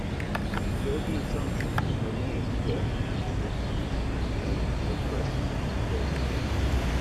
Certain assumptions are made to estimate the amount of alcohol present in the fluid.